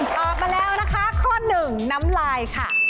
ตอบมาแล้วนะคะข้อหนึ่งน้ำลายค่ะ